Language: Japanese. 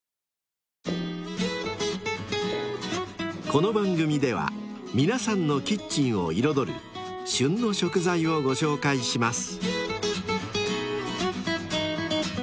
［この番組では皆さんのキッチンを彩る「旬の食材」をご紹介します］